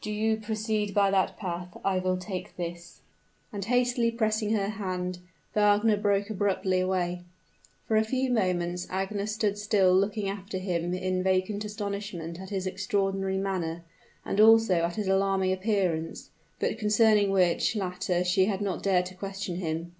Do you proceed by that path; I will take this." And, hastily pressing her hand, Wagner broke abruptly away. For a few moments Agnes stood looking after him in vacant astonishment at his extraordinary manner, and also at his alarming appearance, but concerning which latter she had not dared to question him.